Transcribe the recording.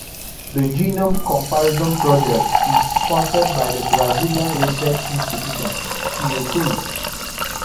The Genome Comparison project is sponsored by the Brazilian research institution Fiocruz.